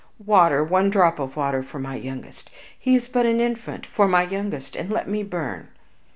Water, one drop of water for my youngest he is but an infant for my youngest, and let me burn!"